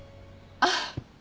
あっ。